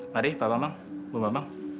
mari pak bambang bu bambang